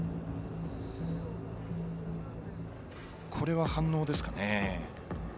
これは反応ですか。